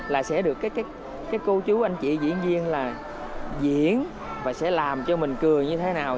là sẽ được các cô chú anh chị diễn viên là diễn và sẽ làm cho mình cười như thế nào